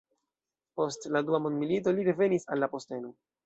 Post la Dua Mondmilito li revenis al la posteno.